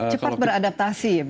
cepat beradaptasi ya